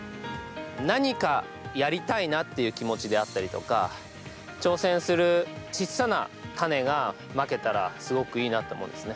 何かやりたいなっていう気持ちであったりとか挑戦する小さな種がまけたらすごくいいかなって思うんですね。